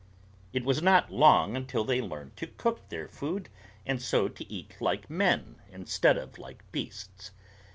It was not long until they learned to cook their food and so to eat like men instead of like beasts.